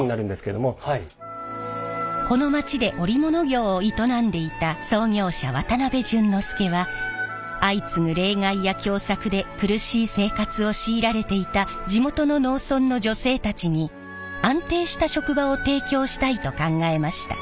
この町で織物業を営んでいた創業者渡辺順之助は相次ぐ冷害や凶作で苦しい生活を強いられていた地元の農村の女性たちに安定した職場を提供したいと考えました。